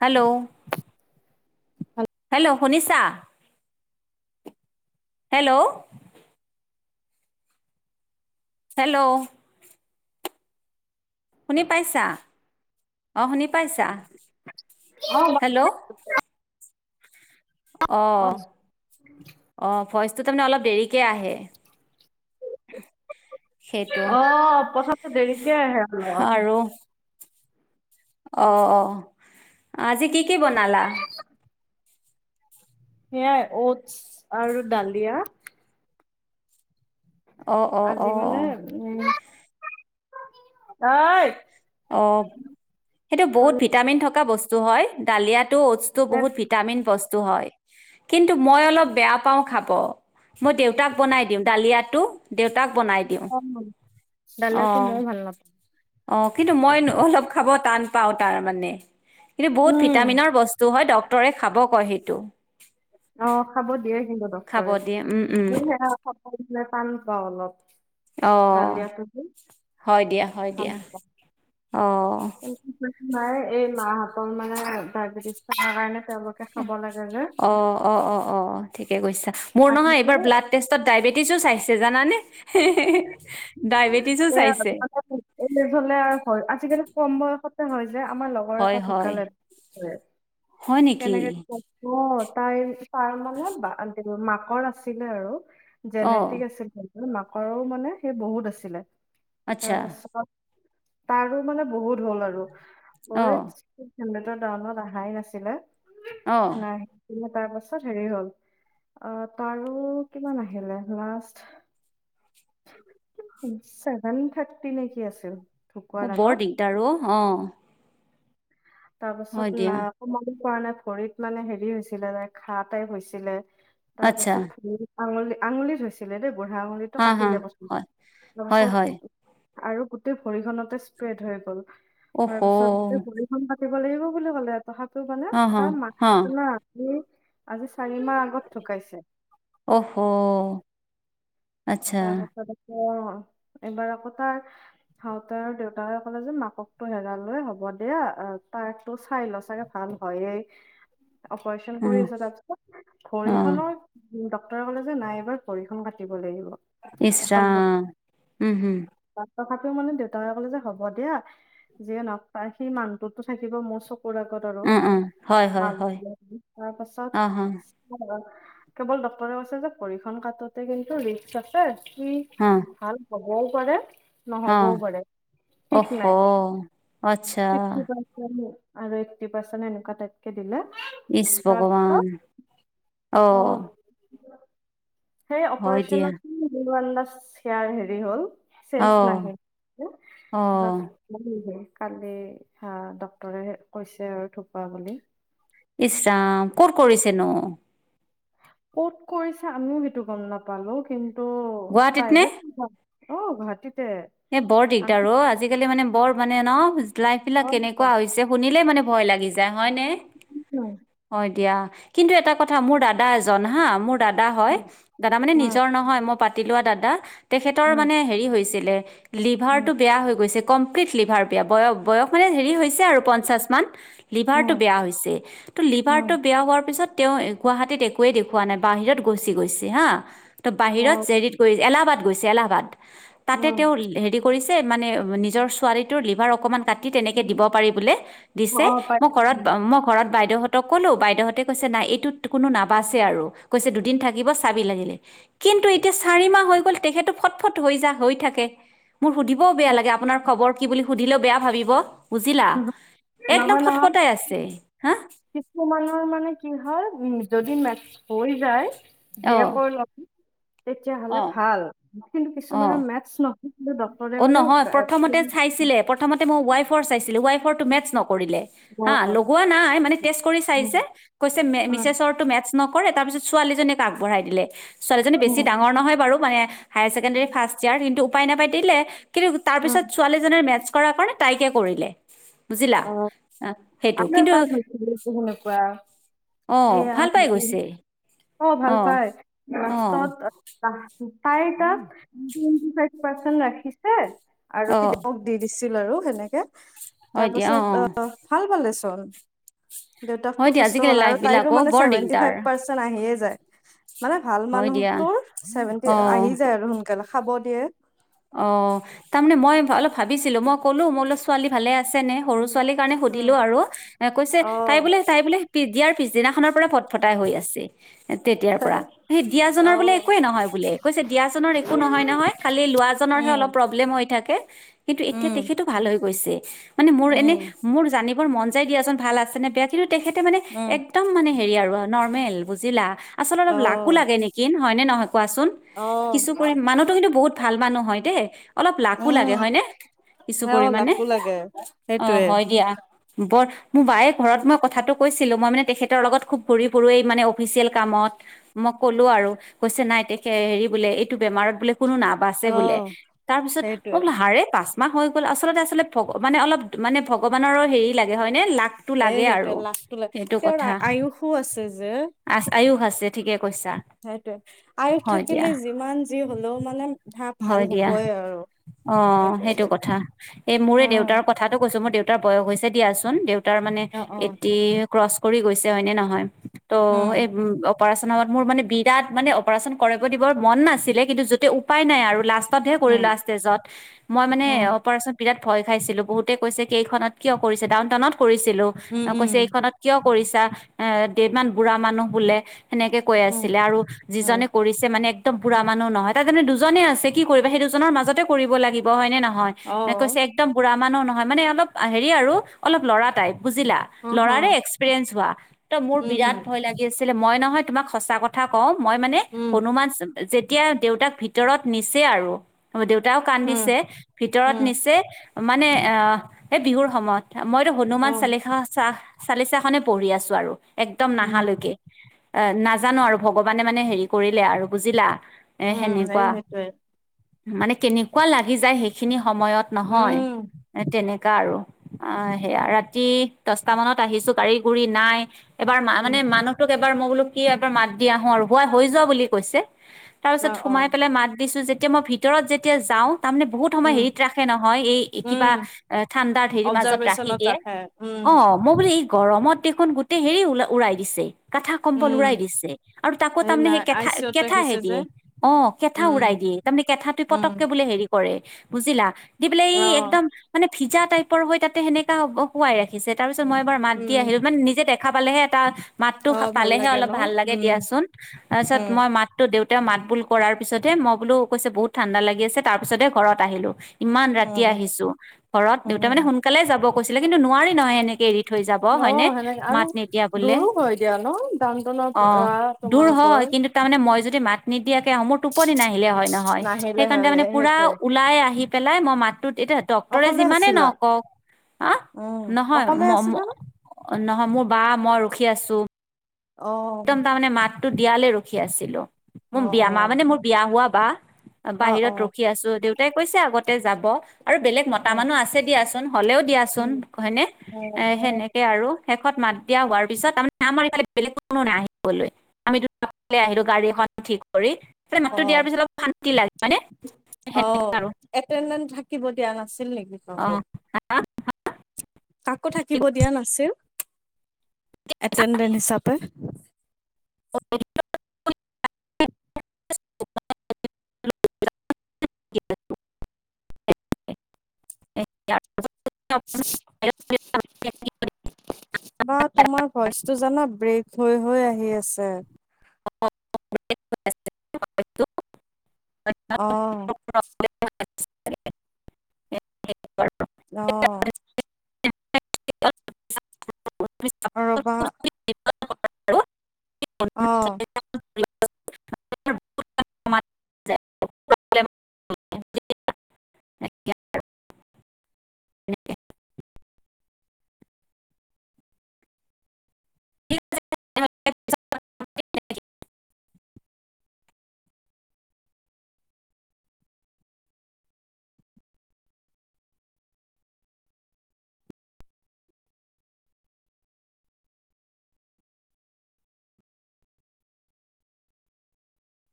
Hello hello শুনিছা hello hello শুনি পাইছা অ শুনি পাইছা অ হেল্ল' অ আহ ভইচটো তাৰমানে অলপ দেৰিকে আহে সেইটো আহ পচন্দতে দেৰিকে আহে অ অ আজি কি কি বনালা সেইয়াই অটছ আৰু ডালিয়া। অঁ অঁ আজি অঁ মানে অঁ উ, অই। অ' সেটো বহুত ভিটামিন থকা বস্তু হয়। ডালিয়াত টো অটছটো বহুত ভিটামিন বস্তু হয় কিন্তু মই অলপ বেয়া পাওঁ খাব। মই দেউতাক বনাই দিওঁ, ডালিয়াটো দেউতাক বনাই দিওঁ, ডালিয়াটো অ', মইও ভাল নাপাওঁ অ'। কিন্তু মই ন-অলপ খাব টান পাওঁ তাৰমানে কিন্তু বহুত উম ভিটামিনৰ বস্তু হয় ড তৰে খাব কয় হেটো। অ' খাব দিয়ে কিন্তু খাব ডক্তৰে। দিয়ে উম উম মই কিন্তু এয়া [unintelligible] টান পাওঁ অলপ। অ' ডালিয়াটো যে হয় দিয়া, হয় দিয়া। অ এই মাই, এই মাহঁতৰ মানে ডায়বেটিছ থাকা কাৰণে তেওঁলোকে খাব লাগে। যে অ', অ', অ', অ' ঠিকে কৈছা মোৰ আজি নহয় যে এইবাৰ ব্লাড টেষ্টত ডায়েবেটিছো চাইছে জানানে? ডায়বেটিছো এয়া চাইছে [unintelligible] হ'লে আও ভয়। আজিকালি কম বয়সত তে হয় যে, আমাৰ লগৰ হয় এটা হয় ঢুকালে। হয় নেকি কেনেকে [unintelligible] তাই, তাৰ মানে বা, মাকৰ আছিলে আৰু অ জেনেটিক আছিল মাক। ঘৰও মানে সেই বহুত আছিলে। আচ্ছা তাৰপাছত আও তাৰো মানে বহুত হ'ল আৰু অ [unintelligible] [unintelligible] ডাউনত আহাই নাছিলে। অ নাই। তাৰ পাছত হেৰি হ'ল অ' তাৰো কিমান আহিলে লাষ্ট চেভেন থাত্তি নে কি আছিল। ঢুকোৱাৰ অ' আগত বৰ দিগদাৰ অ', অ'। তাৰপাছত হয় দিয়া নাই কমাব পৰা নাই ভৰিত মানে হেৰি হৈছিলে লাইক ঘাঁ টাইপ হৈছিলে। তাৰ আচ্ছা পাছত আঙুলি, আঙুলিত হৈছিলে দে বুঢ়া আঙুলিতটো হা হা কাটিলে প্ৰথমে, হয় হয় তাপাছত হয় আৰু গোটেই ভৰি খনতে স্প্ৰেড হৈ গ'ল। তাৰপিছতে ভৰি পাতিব লাগিব বুলি ক'লে তথাপিও মানে তাৰ মাক তোনে আমি আজি চা চাৰি মাহ আগত ঢুকাইছে। আতছা। অ' এইবাৰ আকৌ তাৰ হাউতে আৰু দেউতাই ক'লে যে মাককতো হেৰালোৱে হ'ব দিয়া তাকটো চাই ল' চাগে ভাল উ হয়ে। অপাৰশ্যন অ, কৰি আছে তাপিছত অ, ভৰিখনৰ ডক ডক্টৱে ক'লে যে নাই এবাৰ ভৰিখন কাটিব লাগিব। ইচৰা এখন ভৰি উ, হ। তথাপিও মানে দেউতাকে ক'লে যে হ'ব দিয়া যিনক তাৰ, সি মানুহটোতো থাকিব মোৰ চক পোৰা গত আৰু অ, অ, হয়, হয়, মাক হয়। [unintelligible] তাৰ পাছত আহা, [unintelligible] কেৱল ডক্টৰে কৈছে যে ভৰিখন কাটোতে কিন্তু ৰিক্স আছে, সি অ, ভাল পা বও পাৰে। অ, নহ'বও পাৰে ঠিক অহ! নাই আচ্ছা, [unintelligible] আৰু এইট্টি পাৰ্চেণে এনেকুৱা টাইপকে দিলে। ইছ ভগৱান তাৰপিছত অ'। সেই হয় দিয়া। অপাৰেশ্যনত। হো আল্লাচ শেয়াৰ হেৰি হ'ল। চেনছ অ', নাহে, টো অ', তাছত [unintelligible] কালি হা ডক্টৰে কৈছে আৰু থোপা বুলি। ইচৰাম ক'ত কৰিছেনো? ক'ত কৰিছে আমিও হেটো গম নাপালো কিন্তু গুৱাহাটীত নে? প্ৰাইভেট ন। অ'গুৱাহাটীত। এ বৰ দিগদাৰ অ' আজিকালি মানে বৰ মানে ন লাইফ বিলাক গম কেনেকুৱা নাপালো। হৈছে শুনিলে মানে ভয় লাগি যায় হয় নে? হয় দিয়া। কিন্তু এটা কথা মোৰ দাদা এজন হা, মোৰ দাদা হয়, উম দাদা মানে উম নিজৰ নহয় মই পাত ব উম উম কমপ্লিট লিভাৰ ব বয় বয়স মানে হেৰি হৈছে আৰু পঞ্চাছ মান লিভাৰটো উম বেয়া হৈছে ত' উম লিভাৰটো বেয়া হোৱাৰ পিছত তেওঁ গুৱাহাটীত একোৱেই দেখুৱা নাই বাহিৰত গৈছেি গৈছে হা ত বাহিৰত উম জেৰিত গৈ এলাহাবাদ গৈছে এলাহাবাদ তাতে তেওঁ উম। হেৰি কৰিছে যে মানে নিজৰ ছোৱালীটোৰ লিভাৰ অকমান কাটি তেনেকে দিব পাৰি বোলে দিছে অ পাই মোৰ ঘৰত মই ঘৰত বাইদেউহ তক কলেো বাইদেউহঁতে কৈছে নাই এইটোত কোনো নাবাচে আৰু কৈছে দুদিন থাকিব চাবি লাগিলে কিন্তু এতিয়া চাৰি মাহ হৈ গ'ল তেখেতো ফটফট হৈ যা হৈ থাকে মোৰ সুধিবও বেয়া লাগে আপোনাৰ খবৰ কি বুলি সুধিলে বেয়া ভাবিব বুজিলা নহয় একদম নহয় ফটফটাই আছে হা কিছুমানৰ মানে কি হয় উ যদি মে হৈ যায় অঁ জীয়েকৰ লগত তেতিয়া হ'লে অঁ ভাল কিন্তু অঁ কিছুমানৰ মেথছ নহয় কিন্তু ডক্তৰে অ নহয় প্ৰথমতে মানে চাইছিলে প্ৰথমতে মই ৱাইফৰ চাইছিলো ৱাইফৰটো মেথছ ন টেষ্ট কৰি চাইছে কৈছে মে- মিছেছৰটো মেটচ নকৰে তাৰ পিছত ছোৱালীজনীক আগবঢ়াই দিলে ছোৱালীজনী বেছি ডাঙৰ নহয় বাৰু মানে হায়াৰ ছেকেণ্ডাৰী ফাৰ্ষ্ট ইয়াৰ কিন্তু উপায় নাপাই দিলে কিন্তু তাৰ পিত ছোৱালীজ মে কৰ কাৰণে তাইকে কৰিলে বুজিলা সেইটো আ কিন্তু তাৰ হৈছিলনেুৱোৱা অ এয়া ভাল পাই গৈছে আহ অ ভাল পাই অ লাষ্টত তাই তাত ফাইভ পাৰে ৰাখিছে আৰু অ দি দি ছিল আৰু সেনেকে তাৰ হয় দিয়া অ পাছত অ আহ ভাল পালে চোন হয় দেউতাকতো দিয়া সুস্থ আজিকালি হ'ল লাইফ আৰু বিলাক তাইো অ মানে বৰ চছেভেনটি দিগদাৰ ফাইভ পাৰ্চেন্ট আহিয়ে যায় মানে ভাল হয় মানুহ দিয়া তৰ চেভেনটি অ আহি যায় আৰু সোনকালে খাব দিয়ে অ তাৰ মানে মই অলপ ভাবিছিলো মই ক'লো মোৰ অলপ ছোৱালী ভালে আছে নে সৰু কাৰ উম, সো অঁ, কৈো পিছদিনাখনৰ পৰা ফটফটাই হৈ আছে তেতিয়াৰ পৰা সেই দিয়াজনৰ বোলে অঁ। একোৱে নহয় বোলে কৈছে দিয়াজনৰ একো নহয় নহয় খালি লোৱা উম, অলপ প্ৰব্লেম হৈ থাকে কিন্তু এতিয়া উম, তেখেতটো ভাল হৈ গৈছে মানে মোৰ এনে উম, মোৰ জানিবৰ মন যাই দিয়াচোন ভাল আছে নে বেয়া কিন্তু তেখেতে মানে উম। একদম মানে হেৰি আৰু নৰৰ্মেল বুজিলা আচলতে অলপ লাকো অ', লাগে নেকি হয় নে নহয় কোৱাচোন অ', কিছু কৰি মানুহতো কিন্তু বহুত ভাল মানুহ হয় দেই অলপ লাকো লাগে উম, হয়নে কিছু সেও পৰিাণে লাকো লাগে অ সেইটোৱে হয় দিয়া বৰ মোৰ বায়ে ঘৰত মই কথাটো কৈছিলো মই মানে তেখেতৰ লগত খুব ভৰি পৱ মানে অফিচিয়েল কামত মই ক'লো আৰু কৈছে নাই তেখে হেৰি বোলে এইটো বেমাৰত বোলে কোনো না বাচে বোলে অ', তাৰ পিছত সেইটোৱে মোক লাহাৰে পাচ মাহ হৈ গ'ল আচলতে আচলতে ভগ মানে অলপ মানে ভগৱানৰো হেৰি লাগে হয় নে লা তাকটো এই লাগে সেইটোৱে আৰু লাকটো লাগে সেইটো তেওঁৰ কথা আয়ুসো আছে আ আয়ুস আ সেইটয়ে আয়ুস হয় দিয়া থাকিলে যিমান যি হলেও মানে হ ভাল হয় দিয়া হবই আৰু অ সেইটো সেইটোৱে কথা এই মোৰে উম, দেউতাৰ কথাাতটো কৈছো মোৰ দেউতাৰ বয়স দিয়াচোন দেউতাৰ মানে অ', অ', এটি ক্ৰচ কৰি গৈছে হয়নেে নহয় ত এই উম, অপাৰেচন হয়ত মোৰ মানে বিৰাট মানে অপাৰচন কৰিব দিব মন নাছিলে কিন্তু য'তে উপায় নাই আৰু লাষ্ট উম, ম উম, ভয় খাইছিলো বহুতে কৈছে কি এইখনত কিয় কৰিছে ডাউন টাউনত কৰিছিলো উম, অ উম, কৈছে এইখনত কিয় কৰিছা এমান বুঢ়া মানুহ বোলে সেনেকে কৈ উম, আছিলে আৰু উম, যিজনে কৰিছে মানে একদম বুঢ়া মানুহ নহয় তাৰজনে দু কি কৰিব সেই দুজনৰ মাজতে কৰিব লাগিব হয় নে নহয় কৈ অ', একমু মানো নহয় মানে অলপ হেৰি আৰু অলপ ল'ৰা টাইপ বুজিলা উম, হম, ল'ৰাৰে এক্সপিৰিয়েঞ্চ হোৱা ত মোৰ উম, বিৰাট হম, ভয় লাগি আছে। মই নহয় তোমাক সঁচা কথা কওঁ, মই মানে উম, হনুমান যেতিয়া দেউতাক ভিত ভিতৰত নিছে আৰু দেউতাও উম, কান্দিছে, ভিতৰত উম, নিছে। মানে অহ, সেই বিহুৰ সময়ত মইতো, হনুমান অ', চালিচা চাহ। চালিচাখনে পঢ়ি আছো আৰু একদম, উম, নাহালৈকে। অহ' নাজানো আৰু ভগৱানে মানে হেৰি কৰিলে আৰু বুজিলা। এ সেনে। এ সেইটোৱে। মানে কেনেকুৱা লাগি যায়, সেইখিনি সময়ত নহয় উম, তেনেক কাৰো আৰু আহ, সেয়া ৰাতি দচটা মানত আহিছো। গাড়ী গুৰি নাই। এবাৰ মা উম, মানে মানুহটোক এবাৰ মই বোলো কি এবাৰ মাত দি আহো আৰু, হোৱাই হৈ যোৱা বুলি কৈছে। তাৰপিছত অ', সোমাই অ', পেলাই মাত দিছো যেতিয়া মই ভিতৰত যেতিয়া যাওঁ। তাৰমানে বহুত সময় উম, হেৰিত ৰাখে নহয়, এই কিবা উম ঠাণ্ডাৰ হেৰিৰ মাজত ৰাখি অবজাৰভেশচনত দিয়ে। ৰাখে উম অহ' মই বোলে এই গৰমত দেখোন গোটেই হেৰি উৰাই দিছে। কাঠা কম্প উম উৰাই দিছে, আৰু তাকো তাৰমানে নাই সেই আই কেঠা চি ইউত কেঠাহে ৰাখিছে যে দিয়ে, অহ। কেঠা উৰাই উম দিয়ে তাৰমানে কেঁঠাতো উম পটককে বোলে হেৰি কৰে বুজিলা। দি পেলেই অ এই একদম, মানে ভিজা টাইপৰ হৈ তাতে সেনেকা শুৱাই ৰাখিছে তাৰপিছত। মই এবাৰ মাত দি উম আহিলো মানে নিজে দেখা পালেহে এটা মাতটো অ ভাল পালেহে লাগে অলপ ন ভাল লাগে উম দিয়াচোন, তাৰপিছত উম মই মাতটো দেউতাৰ মাত বোল কৰাৰ তাৰিপিছতে মই বোলো কৈছে, বহুত ঠাণ্ডা লাগি আছে, তাৰপিছতে ঘৰত আহিলো। ইমান ৰাতি উম আহিছো। ঘৰত দেউতা মানে উম সোনকালে যাব কৈছিলে, কিন্তু নোৱাৰি নহয় এনেকে এৰি। থৈ যাব অ হয়নে, সেনেকে আৰু মাত নিদিয়া বোলে। দূৰো হয় দিয়া ন ডাউনটাউনৰ অহ পৰা দূৰ হয়। তোমালোকৰ কিন্তু তাৰমানে, মই যদি মাত নিদিয়াকে মোৰটো টোপনি নাহিলে হয় নহয়। নাহিলে সেইকাৰণে হয় মানে পুৰা, সেইটোৱে ওলাই আহি পেলাই, মই মাতটো ইটা ডাক্তৰে অকলে যিমান মানে আছিলা নকওঁ। আহ, উম নহয় অকলে ম-ম, আছিলা ন নহয় মোৰ বা মই ৰখি আছো। অ একদম তাৰমানে মাতটো দিয়ালে ৰখি আছিলো, অ মোৰ বিয়া অ মা মানে মোৰ বিয়া হোৱা বা। অ অ বাহিৰত ৰখি আছো, দেউতাই কৈছে আগতে যাব, আৰু বেলেগ অ মতা মানুহ আছে দিয়াছো। হ'লেও উম দিয়াচোন উম হয়নে, এ উম সেনেকে আৰু। শেষত মাত দিয়া হোৱাৰ পিছত তাৰেমানে আমাৰ এইফালে বেলেগ কোনো নাই আহিবলৈ, আমি দু আহিলো গাড়ী এখন ঠিক কৰি। অ মাতটো দিয়াৰ পিছত অলপ শান্তি লাগে হয়নে, অ সেনেকা আৰু। কি লাগিব কওঁ। কাকো থাকিব দিয়া নাছিল। এটেডেনচ্ হিচাপে। [unintelligible] [unintelligible] [unintelligible] [unintelligible] বা অ তোমাৰ ভইচটো জানা, ব্ৰেক হৈ হৈ আহি আছে। [unintelligible] অহ'। [unintelligible] অহ'। ৰ'বা [unintelligible] অহ'।